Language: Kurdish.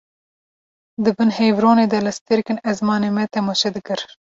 Di bin heyvronê de li stêrkên ezmanê me temaşe dikir